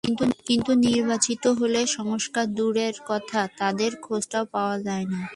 কিন্তু নির্বাচিত হলে সংস্কার দূরের কথা, তাঁদের খোঁজই পাওয়া যায় না।